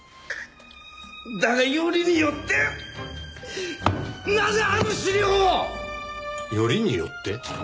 だがよりによってなぜあの資料を！よりによって？